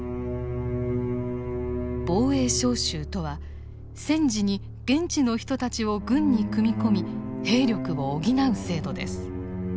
防衛召集とは戦時に現地の人たちを軍に組み込み兵力を補う制度です。